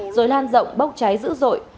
rồi lan rộng bốc trái dữ dội